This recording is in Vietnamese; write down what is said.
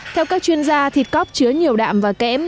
theo các chuyên gia thịt cóc chứa nhiều đạm và kẽm